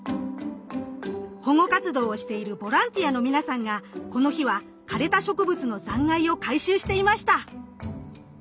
保護活動をしているボランティアの皆さんがこの日は枯れた植物の残骸を回収していました！